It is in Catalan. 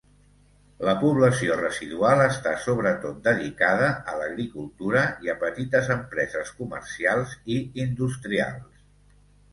La població residual està sobretot dedicada a l'agricultura i a petites empreses comercials i industrials.